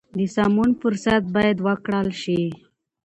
د سمون فرصت باید ورکړل شي.